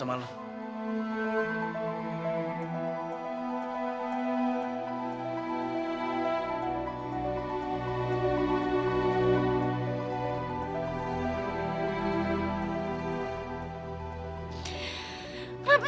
aku mau pergi